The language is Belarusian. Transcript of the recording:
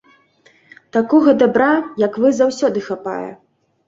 Такога дабра, як вы, заўсёды хапае.